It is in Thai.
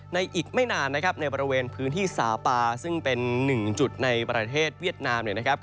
ในบริเวณพื้นที่สาปาซึ่งเป็นหนึ่งจุดในประเทศเวียดนาม